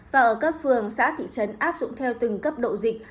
và ở cấp phường xã thị trấn áp dụng theo từng cấp độ dịch